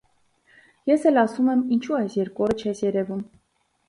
Ես էլ ասում եմ՝ ինչու այս երկու օրս չես երևում: